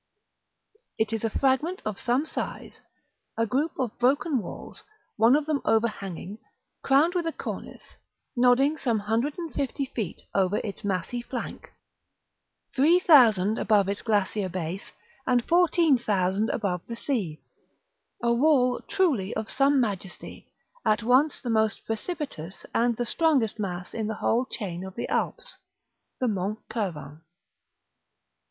It is a fragment of some size; a group of broken walls, one of them overhanging; crowned with a cornice, nodding some hundred and fifty feet over its massy flank, three thousand above its glacier base, and fourteen thousand above the sea, a wall truly of some majesty, at once the most precipitous and the strongest mass in the whole chain of the Alps, the Mont Cervin.